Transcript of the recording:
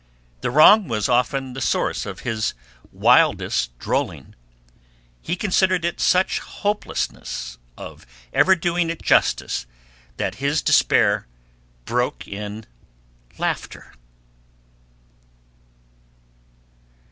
The wrong was often the source of his wildest drolling. He considered it in such hopelessness of ever doing it justice that his despair broke in laughter.